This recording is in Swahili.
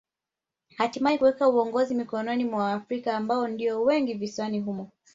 Hatimae kuweka uongozi mikononi mwa Waafrika ambao ndio wengi visiwani humo